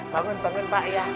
bangun bangun pak ya